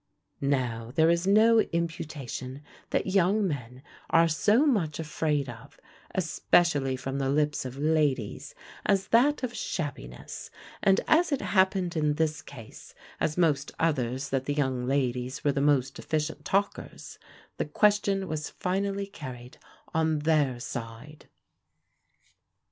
Now, there is no imputation that young men are so much afraid of, especially from the lips of ladies, as that of shabbiness; and as it happened in this case as most others that the young ladies were the most efficient talkers, the question was finally carried on their side.